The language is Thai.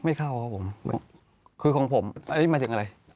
ไม่เข้าครับผมคือของผมอันนี้หมายถึงอะไร